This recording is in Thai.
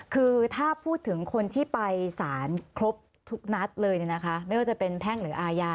คือถ้าพูดถึงคนที่ไปสารครบทุกนัดเลยไม่ว่าจะเป็นแพ่งหรืออาญา